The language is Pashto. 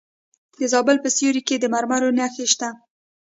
د زابل په سیوري کې د مرمرو نښې شته.